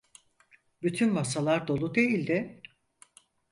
Bütün masalar dolu değildi.